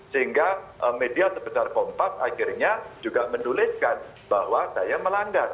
sehingga media sebesar kompas akhirnya juga menuliskan bahwa saya melanggar